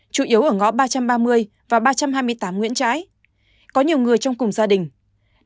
chủ yếu ở ngõ ba trăm ba mươi và ba trăm hai mươi tám nguyễn trãi có nhiều người trong cùng gia đình